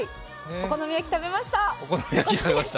お好み焼き食べました！